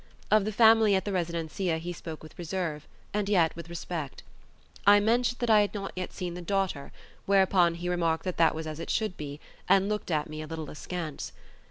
Of the family at the residencia he spoke with reserve, and yet with respect. I mentioned that I had not yet seen the daughter, whereupon he remarked that that was as it should be, and looked at me a little askance.